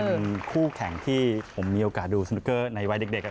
เป็นคู่แข่งที่ผมมีโอกาสดูสนุกเกอร์ในวัยเด็ก